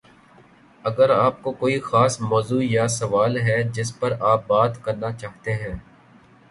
اگر آپ کو کوئی خاص موضوع یا سوال ہے جس پر آپ بات کرنا چاہتے ہیں